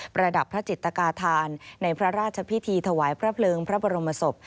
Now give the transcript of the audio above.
ระดับพระจิตกาธานในพระราชพิธีถวายพระเพลิงพระบรมศพ